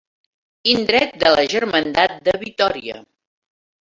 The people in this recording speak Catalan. Indret de la Germandat de Vitòria.